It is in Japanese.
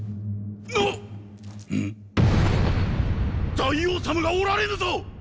大王様がおられぬぞっ！！